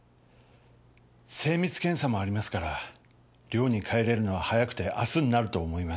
精密検査もありますから寮に帰れるのは早くて明日になると思います。